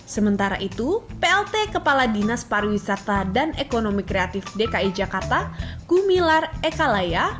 sementara itu plt kepala dinas pariwisata dan ekonomi kreatif dki jakarta kumilar ekalaya